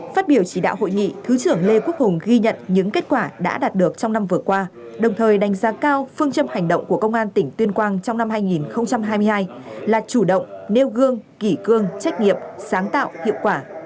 phát biểu chỉ đạo hội nghị thứ trưởng lê quốc hùng ghi nhận những kết quả đã đạt được trong năm vừa qua đồng thời đánh giá cao phương châm hành động của công an tỉnh tuyên quang trong năm hai nghìn hai mươi hai là chủ động nêu gương kỷ cương trách nghiệp sáng tạo hiệu quả